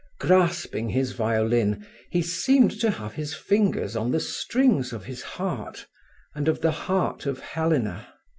Grasping his violin, he seemed to have his fingers on the strings of his heart and of the heart of Helena.